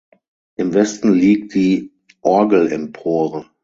Im Westen liegt die Orgelempore.